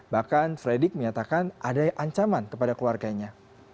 bahkan fredrik menyatakan ada ancaman kepada keluarganya